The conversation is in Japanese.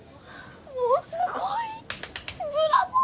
もうすごいブラボー！